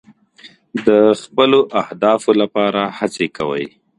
د خپلو اهدافو لپاره هڅې کوئ.